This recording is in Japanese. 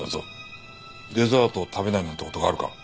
デザートを食べないなんて事があるか？